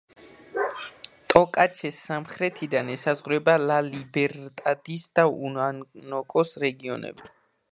ტოკაჩეს სამხრეთიდან ესაზღვრება ლა-ლიბერტადის და უანუკოს რეგიონები.